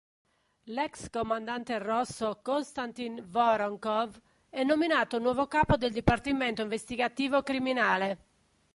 L'ex comandante rosso Konstantin Voroncov è nominato nuovo capo del dipartimento investigativo criminale.